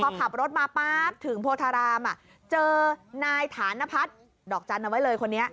พอขับรถมาปั๊บถึงโพธารามเจอนายฐานพัฒน์ดอกจันทร์เอาไว้เลยคนนี้